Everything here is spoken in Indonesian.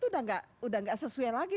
dalam implementasi itu sudah tidak sesuai lagi